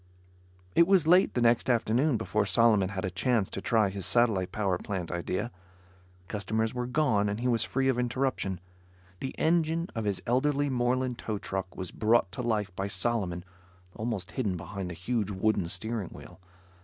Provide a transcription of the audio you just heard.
It was late the next afternoon before Solomon had a chance to try his satellite power plant idea. Customers were gone and he was free of interruption. The engine of his elderly Moreland tow truck was brought to life by Solomon almost hidden behind the huge wooden steering wheel.